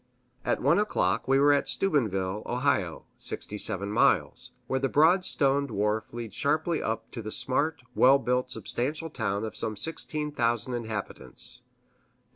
At one o'clock we were at Steubenville, Ohio (67 miles), where the broad stoned wharf leads sharply up to the smart, well built, substantial town of some sixteen thousand inhabitants.